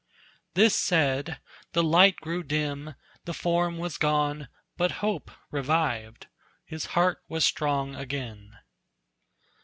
This said, the light grew dim, the form was gone, But hope revived, his heart was strong again.